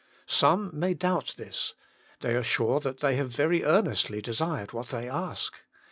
Some may doubt this : they are sure that they have very earnestly desired what they ask.